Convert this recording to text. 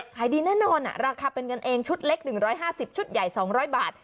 ขายดีแน่นอนราคาเป็นเงินเองชุดเล็ก๑๕๐ชุดใหญ่๒๐๐บาท